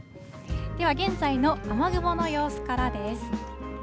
では、現在の雨雲の様子からです。